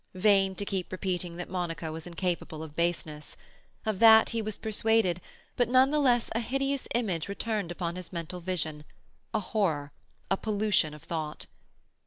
Vain to keep repeating that Monica was incapable of baseness. Of that he was persuaded, but none the less a hideous image returned upon his mental vision—a horror—a pollution of thought.